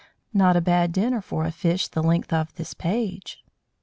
Not a bad dinner for a fish the length of this page!